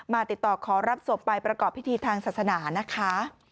ติดต่อขอรับศพไปประกอบพิธีทางศาสนานะคะ